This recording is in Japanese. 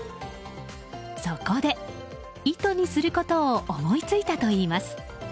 そこで、糸にすることを思いついたといいます。